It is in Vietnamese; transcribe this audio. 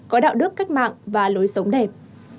có đạo đức cách mạng và lối sống đẹp